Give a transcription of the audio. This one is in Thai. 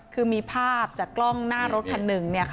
คือมีภาพจากกล้องหน้ารถคันหนึ่ง